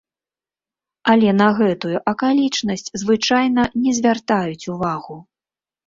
Але на гэтую акалічнасць звычайна не звяртаюць увагу.